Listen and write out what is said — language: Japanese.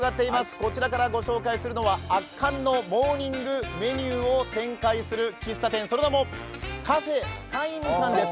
こちらからご紹介するのは圧巻のモーニングサービスを展開する喫茶店、その名も、カフェ待夢さんです。